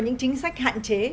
những chính sách hạn chế